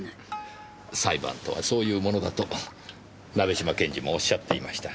裁判とはそういうものだと鍋島検事もおっしゃっていました。